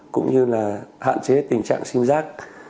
cũng như là hạn chế tình trạng sinh giác